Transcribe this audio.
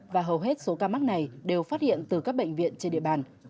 và hầu hết số ca mắc này đều phát hiện từ các bệnh viện trên địa bàn